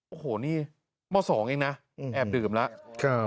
โอ้โหนี่เมื่อ๒อีกนะแอบดื่มแล้ว